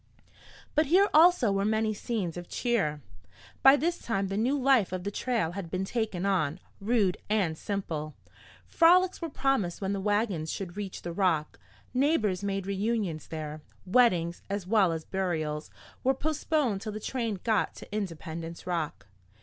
But here also were many scenes of cheer. By this time the new life of the trail had been taken on, rude and simple. Frolics were promised when the wagons should reach the Rock. Neighbors made reunions there. Weddings, as well as burials, were postponed till the train got to Independence Rock.